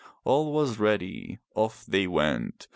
All was ready. Off they went.